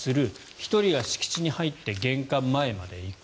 １人が敷地に入って玄関前まで行く。